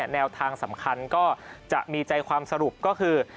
แนวทางสำคัญก็จะมีใจความสรุปก็คือ